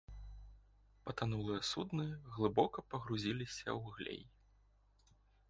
Патанулыя судны глыбока пагрузіліся ў глей.